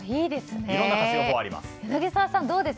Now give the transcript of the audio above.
いろんな活用法があります。